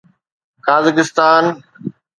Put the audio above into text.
Kazakhstan